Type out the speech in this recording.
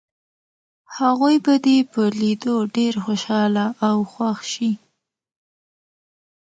هغوی به دې په لیدو ډېر خوشحاله او خوښ شي.